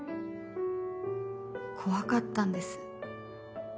怖かったんです。